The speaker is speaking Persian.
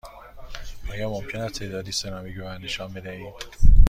آیا ممکن است تعدادی سرامیک به من نشان بدهید؟